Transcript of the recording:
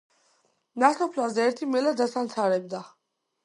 ნასოფლარზე ერთი მელა დაცანცარებდა.